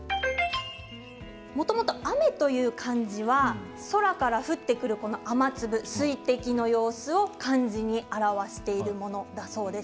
もともと雨という漢字は空から降ってくる雨粒水滴の様子を漢字に表しているものだそうです。